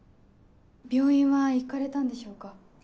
病院は行かれたんでしょうか？